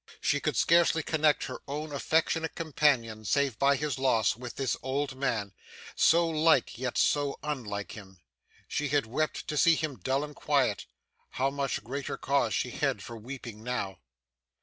She could scarcely connect her own affectionate companion, save by his loss, with this old man, so like yet so unlike him. She had wept to see him dull and quiet. How much greater cause she had for weeping now!